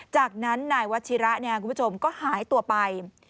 จากนั้นนายวัชิระก็หายตัวไป